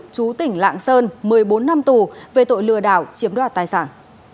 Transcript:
chú tỉnh lạng sơn một mươi bốn năm tù về tội lừa đảo chiếm đoạt tài sản